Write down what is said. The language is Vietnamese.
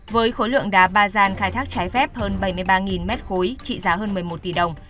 với khối lượng đá ba gian khai thác trái phép hơn bảy mươi ba mét khối trị giá hơn một mươi một tỷ đồng